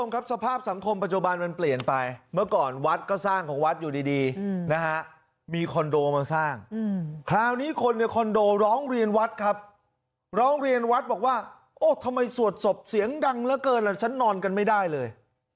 ครับสภาพสังคมปัจจุบันมันเปลี่ยนไปเมื่อก่อนวัดก็สร้างของวัดอยู่ดีนะฮะมีคอนโดมาสร้างคราวนี้คนในคอนโดร้องเรียนวัดครับร้องเรียนวัดบอกว่าโอ้ทำไมสวดศพเสียงดังเหลือเกินล่ะฉันนอนกันไม่ได้เลย